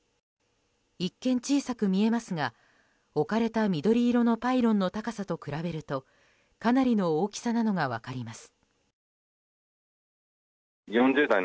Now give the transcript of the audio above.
一見、小さく見えますが置かれた緑色のパイロンの高さと比べるとかなりの大きさなのが分かります。